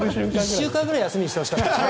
１週間くらい休みにしてほしかった。